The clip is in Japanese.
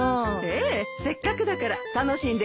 ええせっかくだから楽しんできてね。